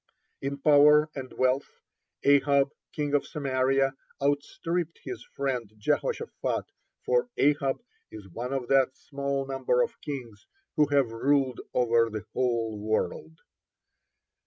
(30) In power and wealth, Ahab, king of Samaria, outstripped his friend Jehoshaphat, for Ahab is one of that small number of kings who have ruled over the whole world.